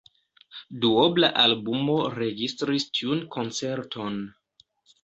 Duobla albumo registris tiun koncerton.